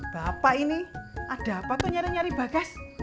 bapak ini ada apa tuh nyari nyari bagas